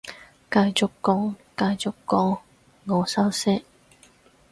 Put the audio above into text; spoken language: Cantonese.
繼續講繼續講，我收聲